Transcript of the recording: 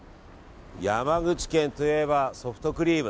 山口県といえばソフトクリーム。